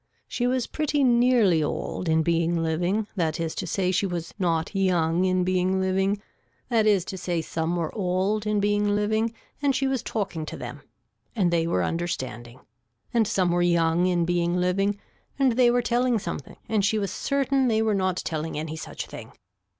She was pretty nearly old in being living that is to say she was not young in being living that is to say some were old in being living and she was talking to them and they were understanding and some were young in being living and they were telling something and she was certain they were not telling any such thing.